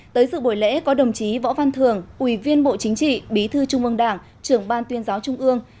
tới sự buổi lễ có đồng chí võ văn thường ủy viên bộ chính trị bí thư trung ương đảng trưởng ban tuyên giáo trung ương